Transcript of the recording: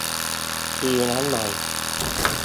ทีละหน่อย